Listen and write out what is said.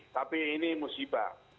tapi ini musibah